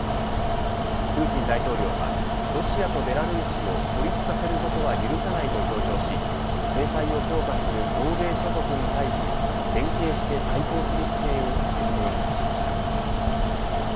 プーチン大統領はロシアとベラルーシを孤立させることは許さないと強調し制裁を強化する欧米諸国に対し連携して対抗する姿勢を鮮明にしました。